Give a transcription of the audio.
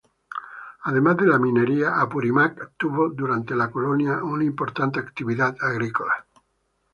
Además de la minería, Apurímac tuvo durante la colonia una importante actividad agrícola.